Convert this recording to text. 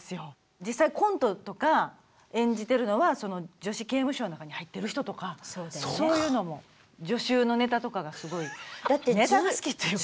実際コントとか演じてるのはその女子刑務所の中に入ってる人とかそういうのも女囚のネタとかがすごいネタが好きというか。